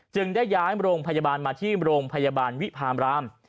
ได้ย้ายโรงพยาบาลมาที่โรงพยาบาลวิพามราม